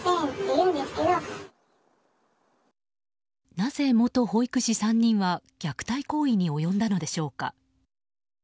なぜ、元保育士３人は虐待行為に及んだのでしょうか。